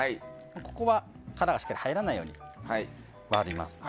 ここは、殻がしっかり入らないように割ります。